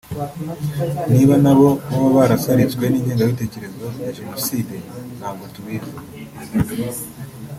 niba nabo baba barasaritswe n’ingengabitekerezo ya Jenoside ntabwo tubizi